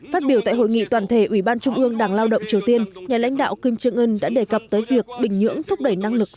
phát biểu tại hội nghị toàn thể ủy ban trung ương đảng lao động triều tiên nhà lãnh đạo kim trương ưn đã đề cập tới việc bình nhưỡng thúc đẩy năng lực